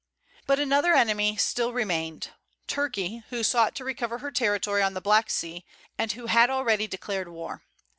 But another enemy still remained, Turkey; who sought to recover her territory on the Black Sea, and who had already declared war.